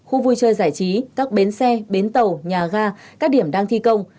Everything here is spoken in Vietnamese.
khu vui chơi giải trí các bến xe bến tàu nhà ga các điểm đang thi công